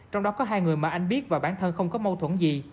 trong đó có hai người mà anh biết và bản thân không có mâu thuẫn gì